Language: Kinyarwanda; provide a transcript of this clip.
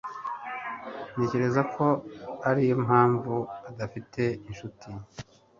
Ntekereza ko ariyo mpamvu adafite inshuti.